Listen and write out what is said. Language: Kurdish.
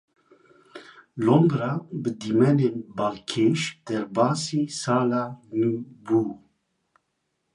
Londra bi dîmenên balkêş derbasi sala nû bû.